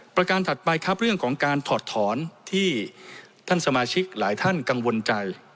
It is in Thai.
ประการถัดไปครับเรื่องของการถอดถอนที่ท่านสมาชิกหลายท่านกังวลใจ